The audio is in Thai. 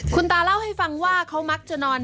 คุณตาเล่าให้ฟังว่าเขามักจะนอน